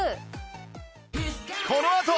このあと